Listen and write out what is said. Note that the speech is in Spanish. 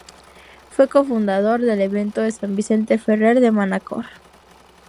Fue cofundador del convento de San Vicente Ferrer de Manacor.